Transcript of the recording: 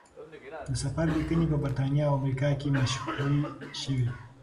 د سفر لیکنې په بریتانیا او امریکا کې مشهورې شوې.